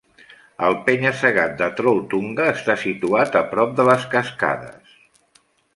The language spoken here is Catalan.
El penya-segat de Trolltunga està situat a prop de les cascades.